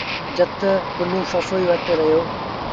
جت پنهون سسئيٚ وٽ رهيٚتو۔